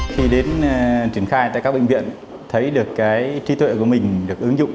khi đến triển khai tại các bệnh viện thấy được cái trí tuệ của mình được ứng dụng